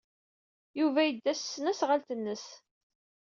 Yuba yedda s tesnasɣalt-nnes.